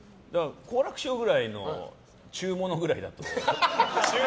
好楽師匠ぐらいの中物くらいだったら。